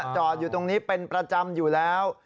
จอดอยู่ตรงนี้เป็นประจำอยู่แล้ว